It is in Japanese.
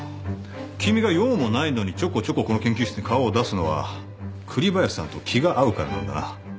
君が用もないのにちょこちょここの研究室に顔を出すのは栗林さんと気が合うからなんだな。